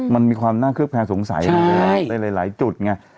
มันมีความน่าเคลือบแค้นสงสัยหลายจุดไง